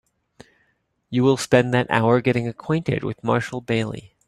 You will spend that hour getting acquainted with Marshall Bailey.